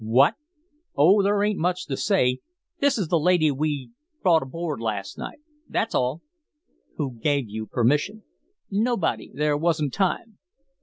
"What?" "Oh, there ain't much to say. This is the lady we brought aboard last night that's all." "Who gave you permission?" "Nobody. There wasn't time."